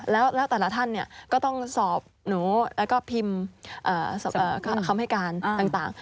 แล้วแต่ละท่านก็ต้องสอบหนูแล้วก็พิมพ์คำให้การต่าง